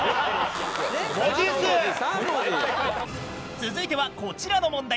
続いてはこちらの問題。